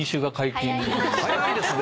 早いですね！